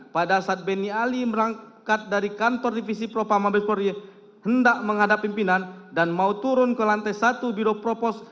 pada saat benny ali berangkat dari kantor divisi propa mabes polri hendak menghadap pimpinan dan mau turun ke lantai satu biro propos